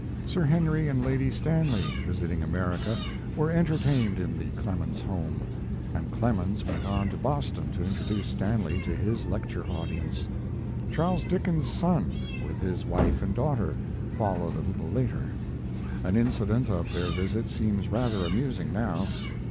Sir Henry and Lady Stanley, visiting. America, were entertained in the Clemens home, and Clemens went on to Boston to introduce Stanley to his lecture audience. Charles Dickens's son, with his wife and daughter, followed a little later. An incident of their visit seems rather amusing now.